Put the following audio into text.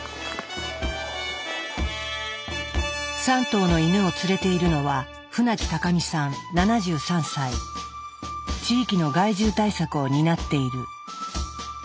３頭のイヌを連れているのは地域の害獣対策を担っている。